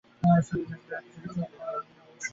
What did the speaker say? শিল্পচর্চার জন্যে কিছু কিছু উপকরণ আবশ্যক।